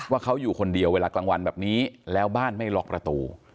ว่าเขาอยู่คนเดียวเวลากลางวันแบบนี้แล้วบ้านไม่ล็อกประตู